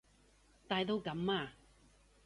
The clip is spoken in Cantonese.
大到噉啊？